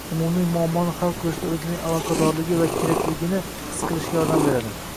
umumiy muammoni hal qilishda o‘zining aloqadorligi va kerakligini his qilishga imkon beradi.